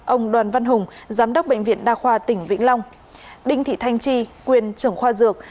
ông đoàn văn hùng giám đốc bệnh viện đa khoa tỉnh vĩnh long đinh thị thanh tri quyền trưởng khoa dược